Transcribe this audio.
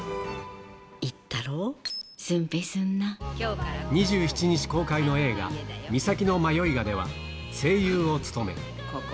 言ったろう、２７日公開の映画、岬のマヨイガでは、声優を務め。